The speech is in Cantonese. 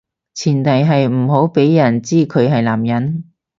前提係唔好畀人知佢係男人